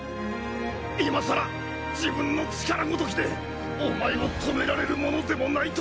今更自分の力ごときでお前を止められるものでもないと。